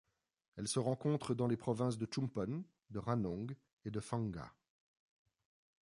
Elle se rencontre dans les provinces de Chumpon, de Ranong et de Phang Nga.